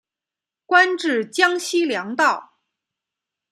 官至江西粮道。